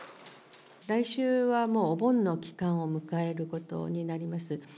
来週はもう、お盆の期間を迎えることになります。